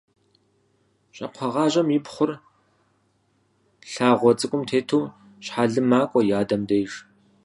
Щӏакхъуэгъажьэм и пхъур, лъагъуэ цӏыкӏум тету щхьэлым макӏуэ и адэм деж.